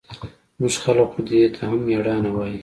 زموږ خلق خو دې ته هم مېړانه وايي.